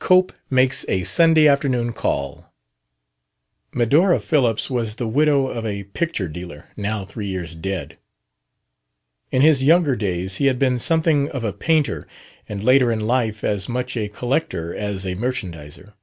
2 COPE MAKES A SUNDAY AFTERNOON CALL Medora Phillips was the widow of a picture dealer, now three years dead. In his younger days he had been something of a painter, and later in life as much a collector as a merchandizer.